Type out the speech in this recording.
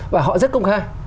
và họ rất công khai